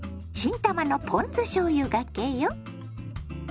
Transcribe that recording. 新たまのポン酢しょうゆがけよ。